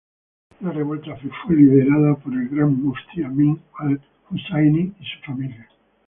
La revuelta fue liderada por el Gran Muftí Amin al-Husayni y su familia.